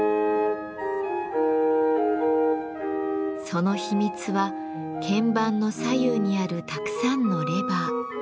その秘密は鍵盤の左右にあるたくさんのレバー。